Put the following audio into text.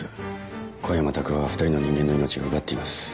小山卓夫は２人の人間の命を奪っています。